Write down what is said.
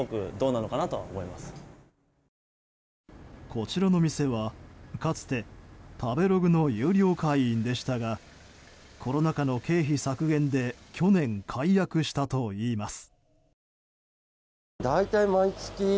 こちらの店は、かつて食べログの有料会員でしたがコロナ禍の経費削減で去年、解約したといいます。